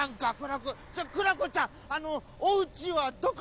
じゃクラコちゃんあのおうちはどこ？